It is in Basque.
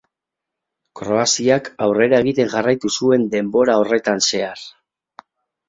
Kroaziak aurrera egiten jarraitu zuen denbora horretan zehar.